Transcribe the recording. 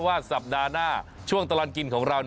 ว่าสัปดาห์หน้าช่วงตลอดกินของเรา